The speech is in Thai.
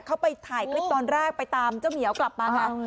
เขาไปถ่ายคลิปตอนแรกไปตามเจ้าเหมียวกลับมาค่ะ